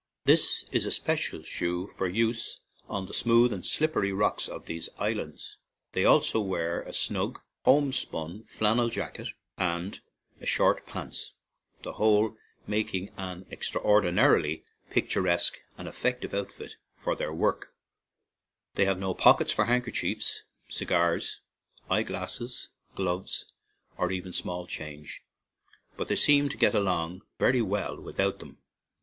This is a special shoe for use on the smooth and slippery rocks of these islands. They also wear a snug, homespun flannel jacket and short " pants," the whole making an exceedingly pictur 108 o o a > H. ■< a c >? O !► 5 JO !> 2 s> ARAN ISLANDS esque and effective outfit for their work. They have no pockets for handkerchiefs, cigars, eye glasses, gloves, or even small change, but they seem to get on very well without them.